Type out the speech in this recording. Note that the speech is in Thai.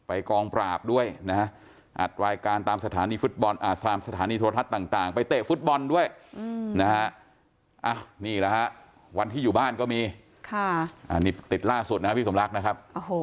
อันนี้ติดล่าสุดนะฮะพี่สมรักนะครับ